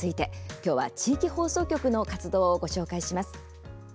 今日は地域放送局の活動をご紹介します。